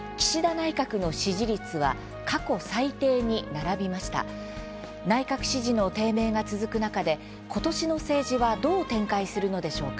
内閣支持の低迷が続く中で今年の政治はどう展開するのでしょうか。